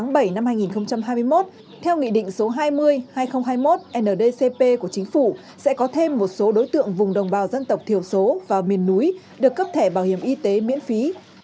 ngày một bảy hai nghìn hai mươi một theo nghị định số hai mươi hai nghìn hai mươi một ndcp của chính phủ sẽ có thêm một số đối tượng vùng đồng bào dân tộc thiểu số và miền núi được cấp thẻ bảo hiểm y tế miễn phí